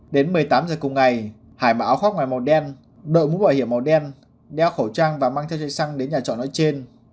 đến một mươi tám h cùng ngày hải mặc áo khoác ngoài màu đen đội mũ bảo hiểm màu đen đeo khẩu trang và mang theo dây xăng đến nhà trọ nói trên